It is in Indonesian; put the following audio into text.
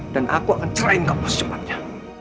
dan aku akan cerain kamu secepatnya